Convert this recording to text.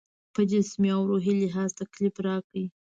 په جسمي او روحي لحاظ تکلیف راکړ.